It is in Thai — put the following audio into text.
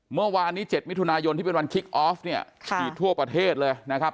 เมื่อวานนี้๗มิถุนายนที่เป็นวันคิกออฟเนี่ยฉีดทั่วประเทศเลยนะครับ